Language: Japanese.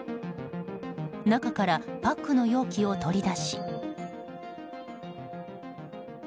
中からパックの容器を取り出し。